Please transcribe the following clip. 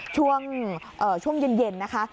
ช่วงเย็นนะคะ